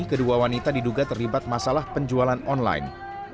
kedua wanita diduga terlibat masalah penjualan online